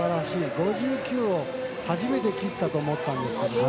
５９を初めて切ったと思ったんですけどね。